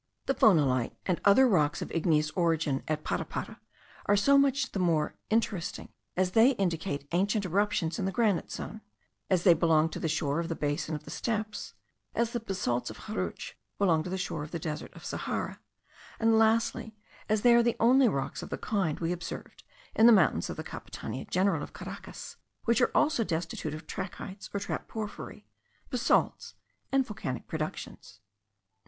The phonolite and other rocks of igneous origin at Parapara are so much the more interesting, as they indicate ancient eruptions in a granite zone; as they belong to the shore of the basin of the steppes, as the basalts of Harutsh belong to the shore of the desert of Sahara; and lastly, as they are the only rocks of the kind we observed in the mountains of the Capitania General of Caracas, which are also destitute of trachytes or trap porphyry, basalts, and volcanic productions.